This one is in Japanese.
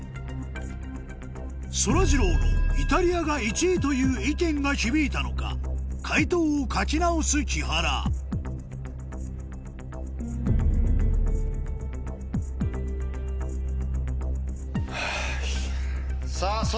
そらジローのイタリアが１位という意見が響いたのか解答を書き直す木原はぁ。